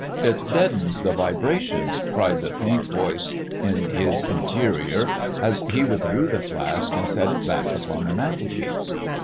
It deadens the vibrations!" cried the faint voice in his interior, as he withdrew the flask and set it back upon the mantelpiece.